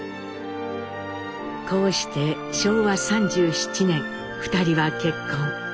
こうして昭和３７年２人は結婚。